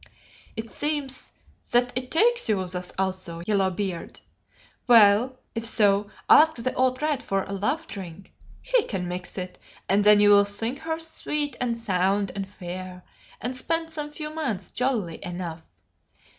"It seems that it takes you thus also, Yellow beard? Well, if so, ask the old Rat for a love drink; he can mix it, and then you will think her sweet and sound and fair, and spend some few months jollily enough.